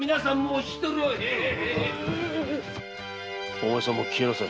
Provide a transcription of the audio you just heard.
お前さんも消えなさい。